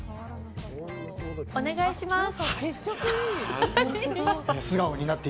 お願いします。